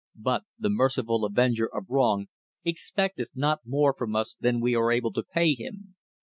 But the merciful Avenger of Wrong expecteth not more from us than we are able to pay him.